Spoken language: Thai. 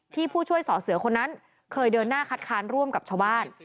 ผู้ช่วยสอเสือคนนั้นเคยเดินหน้าคัดค้านร่วมกับชาวบ้าน